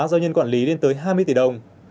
do nhân quản lý lên tới hai mươi tỷ đồng